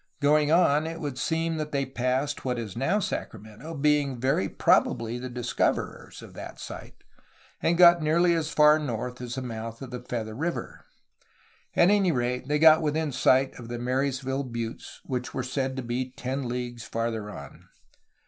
Going on, it would seem that they passed what is now Sacramento, being very prob ably the discoverers of that site, and got nearly as far north as the mouth of the Feather River; at any rate they got within sight of the Marysville Buttes, which were said to be ten leagues farther on.